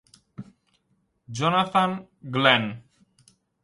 Jonathan Glenn